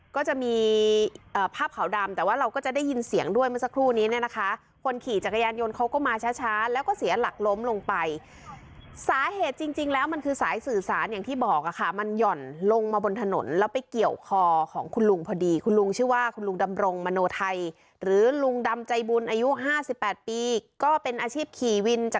ก็จะมีภาพขาวดำแต่ว่าเราก็จะได้ยินเสียงด้วยเมื่อสักครู่นี้เนี่ยนะคะคนขี่จักรยานยนต์เขาก็มาช้าช้าแล้วก็เสียหลักล้มลงไปสาเหตุจริงแล้วมันคือสายสื่อสารอย่างที่บอกค่ะมันหย่อนลงมาบนถนนแล้วไปเกี่ยวคอของคุณลุงพอดีคุณลุงชื่อว่าคุณลุงดำรงมโนไทยหรือลุงดำใจบุญอายุ๕๘ปีก็เป็นอาชีพขี่วิน